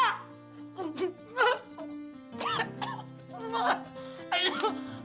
aduh aduh aduh